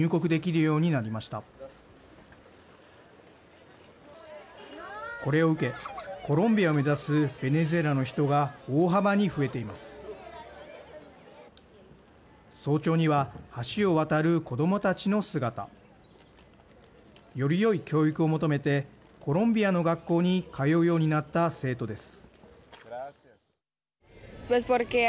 よりよい教育を求めてコロンビアの学校に通うようになった生徒です。